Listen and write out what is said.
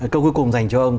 câu cuối cùng dành cho ông